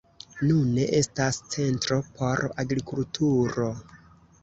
Nune estas centro por agrikulturo.